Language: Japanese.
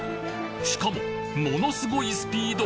しかもものすごいスピード。